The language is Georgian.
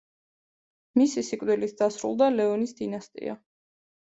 მისი სიკვდილით დასრულდა ლეონის დინასტია.